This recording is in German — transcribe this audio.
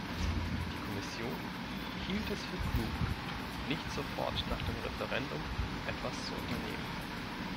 Die Kommission hielt es für klug, nicht sofort nach dem Referendum etwas zu unternehmen.